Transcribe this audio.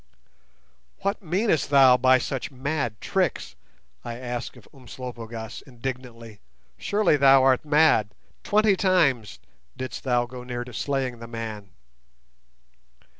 "What meanest thou by such mad tricks?" I asked of Umslopogaas, indignantly. "Surely thou art mad. Twenty times didst thou go near to slaying the man."